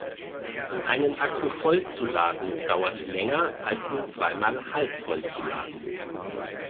Einen Akku voll zu laden dauert länger als ihn zweimal halbvoll zu laden.